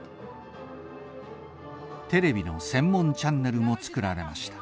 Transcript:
テレビの専門チャンネルも作られました。